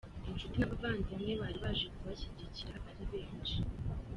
Incuti n'abavandamwe bari baje kubashyigikira ari benshi.